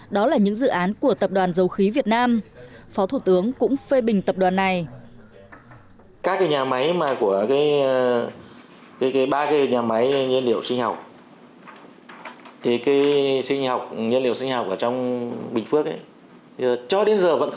đó là những dự án của tập đoàn hóa chất